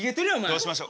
どうしましょ？